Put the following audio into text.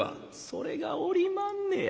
「それがおりまんねや。